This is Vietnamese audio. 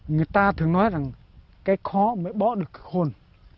người ta thường nói rằng cái khó mới bỏ được cái khôn